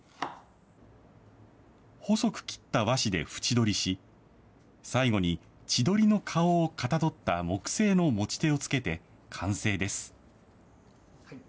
細く切った和紙で縁取りし、最後に、千鳥の顔をかたどった木製の持ち手を付けて完成です。